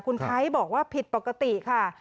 คุณไทยบอกว่าผิดปกติค่ะ